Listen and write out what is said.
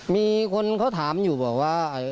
มีคนเขาถามอยู่บอกว่า